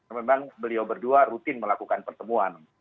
memang beliau berdua rutin melakukan pertemuan